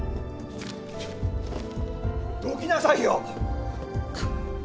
どきなさいよ！